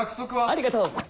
ありがとう！